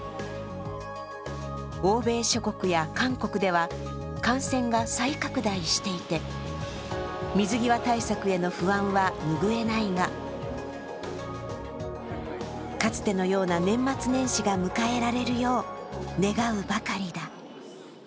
欧米諸国や韓国では感染が再拡大していて、水際対策への不安は拭えないがかつてのような年末年始が迎えられるよう願うばかりだ。